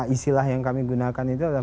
istilah yang kami gunakan itu adalah